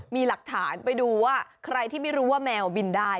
มีหลักฐานไปดูว่าใครที่ไม่รู้ว่าแมวบินได้